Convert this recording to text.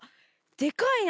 でかいな。